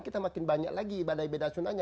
kita makin banyak lagi ibadah ibadah sunnahnya